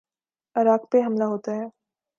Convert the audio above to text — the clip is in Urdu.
عراق پہ حملہ ہوتا ہے۔